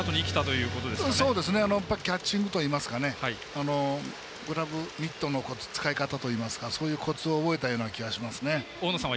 そうですねキャッチングといいますかグラブミットの扱い方というかそういうコツを覚えたような気がしますね。